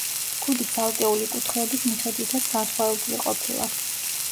ქუდი ცალკეული კუთხეების მიხედვითაც განსხვავებული ყოფილა.